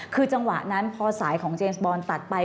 คือจังหวะนั้นพอสายของเจนส์บอลตัดไป